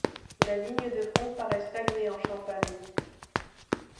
La ligne de Front paraît stagner en Champagne.